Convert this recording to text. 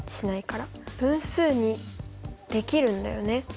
分数にできるんだよね。